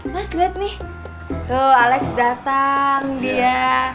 mas lihat nih tuh alex datang dia